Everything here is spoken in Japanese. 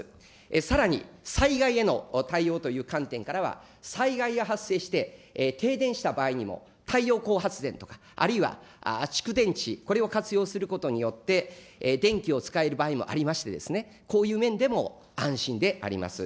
さらに、災害への対応という観点からは、災害が発生して、停電した場合にも、太陽光発電とか、あるいは蓄電池、これを活用することによって、電気を使える場合もありまして、こういう面でも安心であります。